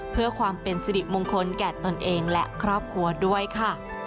เพื่อความเป็นสิริมงคลแก่ตนเองและครอบครัวด้วยค่ะ